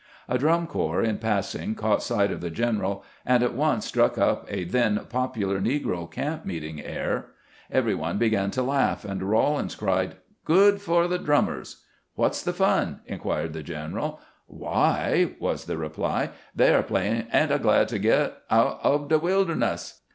A drum corps in passing caught sight of the general, and at once struck up a then popular negro camp meet ing air. Every one began to laugh, and Rawlins cried, " Good for the drummers !"" What 's the fun ?" in quired the general. " Why," was the reply, " they are playing, ' Ain't I glad to get out ob de wilderness